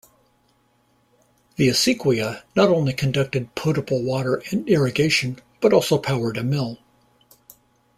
The acequia not only conducted potable water and irrigation, but also powered a mill.